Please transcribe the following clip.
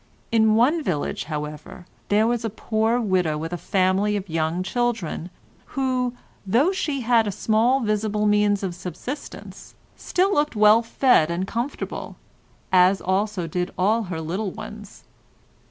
In one village, however, there was a poor widow with a family of young children, who, though she had small visible means of subsistence, still looked well fed and comfortable, as also did all her little ones.